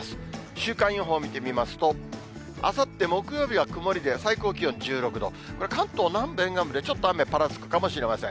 週間予報見てみますと、あさって木曜日は曇りで最高気温１６度、これ、関東南部沿岸部でちょっと雨ぱらつくかもしれません。